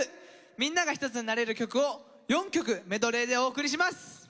みんなが一つになれる曲を４曲メドレーでお送りします。